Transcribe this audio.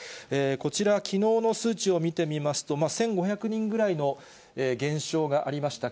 こちら、きのうの数値を見てみますと、１５００人ぐらいの減少がありました。